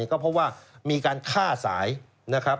ก็เพราะว่ามีการฆ่าสายนะครับ